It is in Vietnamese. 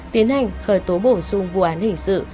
tiến hành khởi tố bổ sung vụ án hình sự